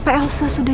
apa elsa sudah berubah